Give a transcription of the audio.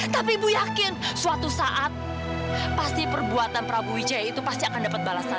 tapi ibu yakin suatu saat pasti perbuatan prabu wijaya itu pasti akan dapat balasan